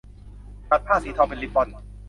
ตัดผ้าสีทองเป็นริบบอน